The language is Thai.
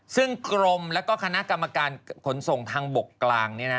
ซึ่งกรมแล้วก็คณะกรรมการขนส่งทางบกกลาง